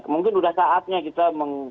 mungkin udah saatnya kita